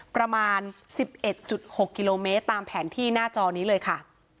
ประมาณ๑๑๖กิโลเมตรตามแผนที่หน้าจอนี้เลยค่ะ